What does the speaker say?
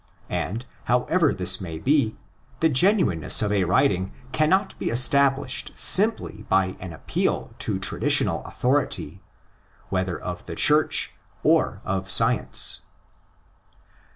And, however this may be, the genuineness WHENCE CAME THE EPISTLE ? 187 of a writing cannot be established simply by an appeal to traditional authority, whether of the Church or of science."